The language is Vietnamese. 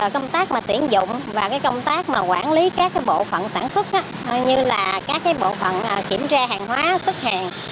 công tác tuyển dụng quản lý các bộ phận sản xuất như kiểm tra hàng hóa xuất hàng